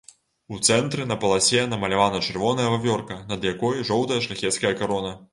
У цэнтры на паласе намалявана чырвоная вавёрка, над якой жоўтая шляхецкая карона.